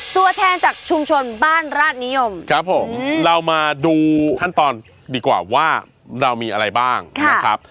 ตัวแทนจากชุมชนบ้านราชนิยมครับผมเรามาดูขั้นตอนดีกว่าว่าเรามีอะไรบ้างนะครับ